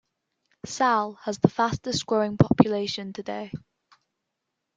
Sal has the fastest growing population today.